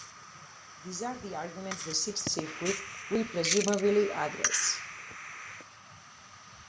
These are the arguments the Sixth Circuit will presumably address.